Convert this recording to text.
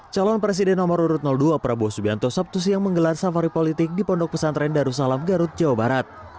calon presiden nomor urut dua prabowo subianto sabtu siang menggelar safari politik di pondok pesantren darussalam garut jawa barat